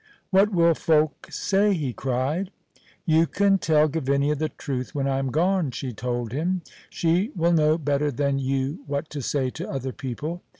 "What will folk say!" he cried. "You can tell Gavinia the truth when I am gone," she told him. "She will know better than you what to say to other people."